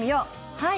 はい。